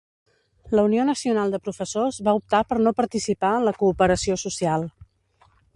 La Unió Nacional de Professors va optar per no participar en la cooperació social.